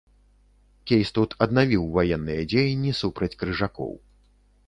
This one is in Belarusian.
Кейстут аднавіў ваенныя дзеянні супраць крыжакоў.